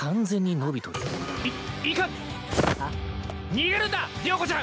逃げるんだ了子ちゃん！